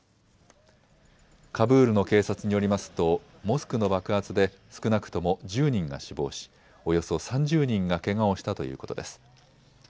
カブールの警察によりますとモスクの爆発で少なくとも１０人が死亡し、およそ３０人がけがをしたということです。